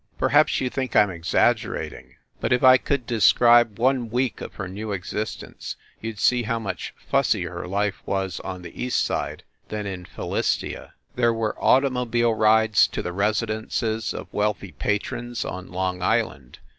Perhaps you think I m exaggerating; but if I io8 FIND THE WOMAN could describe one week of her new existence you d see how much fussier her life was on the east side than in Philistia. There were automobile rides to the residences of wealthy patrons on Long Island.